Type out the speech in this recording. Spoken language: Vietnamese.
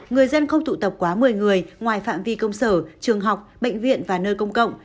người dân không tụ tập quá một mươi người ngoài phạm vi công sở trường học bệnh viện và nơi công cộng